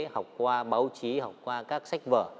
học qua báo chí học qua các sách vở